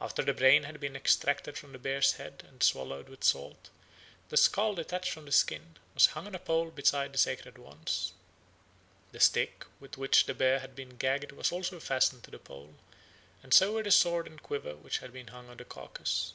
After the brain had been extracted from the bear's head and swallowed with salt, the skull, detached from the skin, was hung on a pole beside the sacred wands. The stick with which the bear had been gagged was also fastened to the pole, and so were the sword and quiver which had been hung on the carcase.